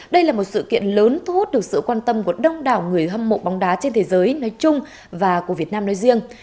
đây là một sự kiện lớn thu hút được sự quan tâm của đông đảo người hâm mộ bóng đá trên thế giới nói chung và của việt nam nói riêng